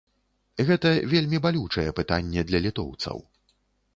Гэта вельмі балючае пытанне для літоўцаў.